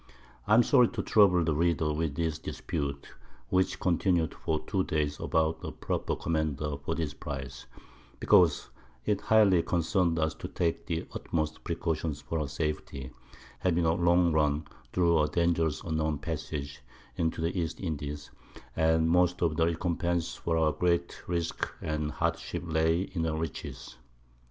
I am sorry to trouble the Reader with these Disputes, which continued for two Days about a proper Commander for this Prize; because it highly concern'd us to take the utmost Precautions for her Safety, having a long Run through dangerous unknown Passages, into the East Indies, and most of the Recompence for our great Risques and Hardships lay in her Riches.